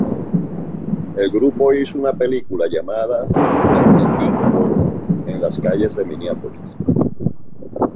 El grupo hizo una película llamada "Mannequin World" en las calles de Minneapolis.